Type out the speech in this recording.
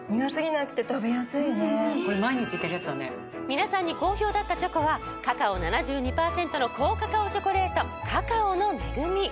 皆さんに好評だったチョコはカカオ７２％の高カカオチョコレート「カカオの恵み」。